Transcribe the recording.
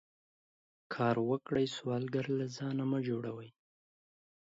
کار وکړئ سوالګر له ځانه مه جوړوئ